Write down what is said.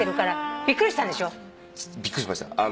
びっくりしました。